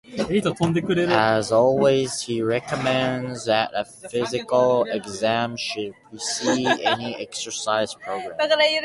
As always, he recommends that a physical exam should precede any exercise program.